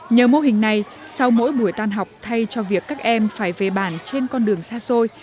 nhờ mô hình này sau mỗi buổi tan học thay cho việc các em phải về bản trên con đường xa xôi